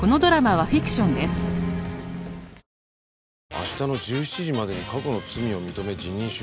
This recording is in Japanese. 「明日の１７時までに過去の罪を認め辞任しろ」。